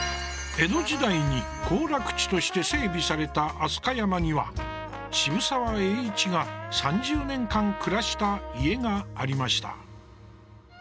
江戸時代に行楽地として整備された飛鳥山には渋沢栄一が３０年間暮らした家がありました。